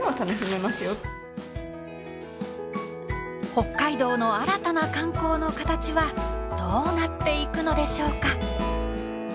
北海道の新たな観光の形はどうなっていくのでしょうか。